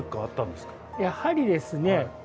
やはりですね